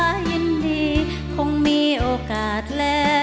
ตอนนี้ตอนนี้ก็สงสัย